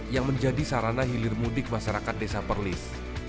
yang menjadi sarana hilir mudik masyarakat desa perlis